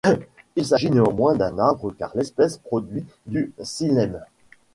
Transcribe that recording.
Il s'agit néanmoins d'un arbre car l'espèce produit du xylème.